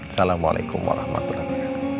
assalamualaikum warahmatullahi wabarakatuh